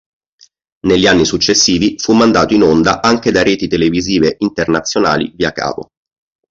Negli anni successivi fu mandato in onda anche da reti televisive internazionali via cavo.